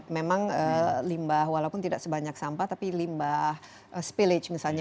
memang limbah walaupun tidak sebanyak sampah tapi limbah spillage misalnya